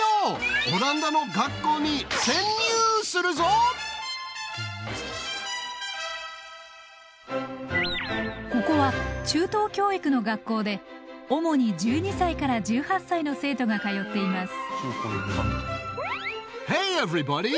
オランダの学校にここは中等教育の学校で主に１２歳から１８歳の生徒が通っています。